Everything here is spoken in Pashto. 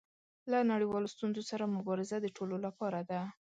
له نړیوالو ستونزو سره مبارزه د ټولو لپاره ده.